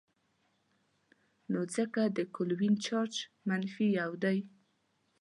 نو ځکه د کلوین چارج منفي یو دی.